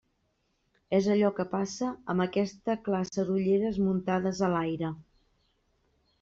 És allò que passa amb aquesta classe d'ulleres muntades a l'aire.